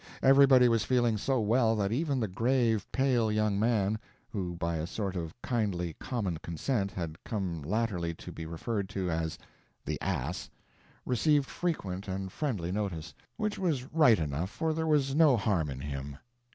Everybody was feeling so well that even the grave, pale young man (who, by a sort of kindly common consent, had come latterly to be referred to as "The Ass") received frequent and friendly notice which was right enough, for there was no harm in him.